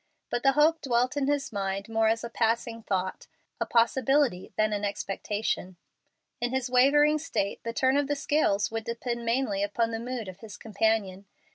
But the hope dwelt in his mind more as a passing thought, a possibility, than an expectation. In his wavering state the turn of the scales would depend mainly upon the mood of his companion.